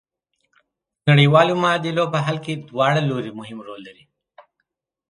د نړیوالو معادلو په حل کې دواړه لوري مهم رول لري.